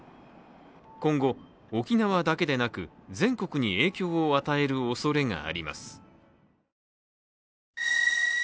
今後、沖縄だけでなく全国に影響を与えるおそれがあります。